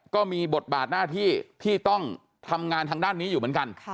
ก็มีบทบาทหน้าที่ที่ต้องทำงานทางด้านนี้อยู่เหมือนกัน